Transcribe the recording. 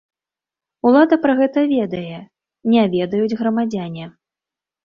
Улада пра гэта ведае, не ведаюць грамадзяне.